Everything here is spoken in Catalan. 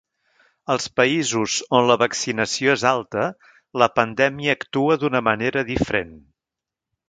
Als països on la vaccinació és alta la pandèmia actua d’una manera diferent.